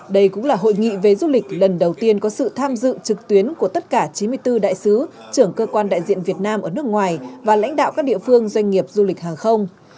đây cũng là hội nghị về du lịch lần đầu tiên có sự tham dự trực tuyến của tất cả chín mươi bốn đại sứ trưởng cơ quan đại diện việt nam ở nước ngoài và lãnh đạo các địa phương doanh nghiệp du lịch hàng không